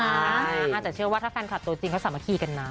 อาจจะเชื่อว่าถ้าแฟนคลับตัวจริงเขาสามารถขี้กันนะ